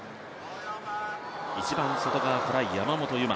一番外側から山本有真。